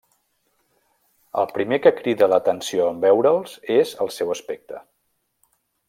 El primer que crida l’atenció en veure’ls és el seu aspecte.